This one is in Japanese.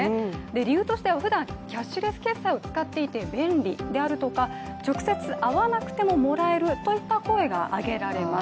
理由としてはふだんキャッシュレス決済を使っていて便利であるとか直接会わなくてももらえるといった声が挙げられます。